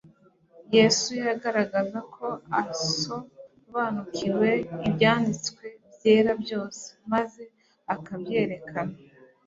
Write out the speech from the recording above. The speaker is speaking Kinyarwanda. Yesu yagaragazaga ko asobanukiwe n'Ibyanditswe byera byose, maze akabyerekana,.